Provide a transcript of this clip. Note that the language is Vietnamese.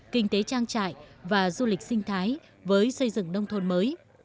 kinh tế trang trại và du lịch sinh thái với xây dựng nông thôn mới